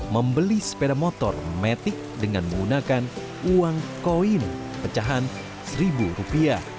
membeli sepeda motor matic dengan menggunakan uang koin pecahan rp satu